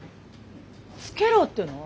つけろって言うの？